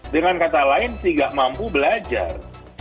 dengan kata lain tidak mampu belajar